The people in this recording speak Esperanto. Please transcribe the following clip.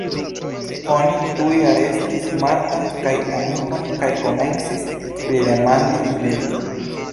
Oni tuj arestis Martan kaj Anikon kaj komencis pridemandi ilin.